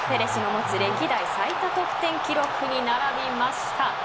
歴代最多得点記録に並びました。